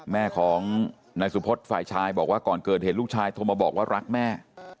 แม่ของนายสุพธิ์ฝ่ายชายบอกว่าก่อนเกิดเหตุลูกชายโทรมาบอกว่ารักแม่